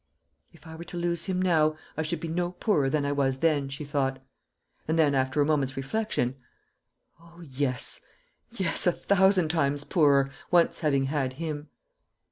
"If I were to lose him now, I should be no poorer than I was then," she thought; and then, after a moment's reflection, "O yes, yes, a thousand times poorer, once having had him."